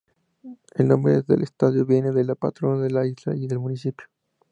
El nombre del estadio viene de la patrona de la isla y del municipio.